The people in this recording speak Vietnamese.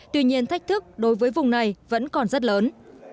tuy nhiên thách thức đối với vùng này vẫn còn rất lớn